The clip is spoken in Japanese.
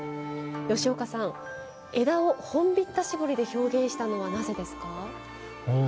吉岡さん、枝を本疋田絞りで表現したのは、なぜですか？